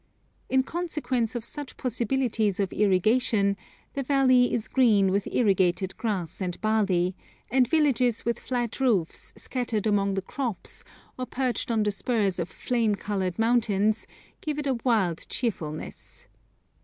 In consequence of such possibilities of irrigation, the valley is green with irrigated grass and barley, and villages with flat roofs scattered among the crops, or perched on the spurs of flame coloured mountains, give it a wild cheerfulness.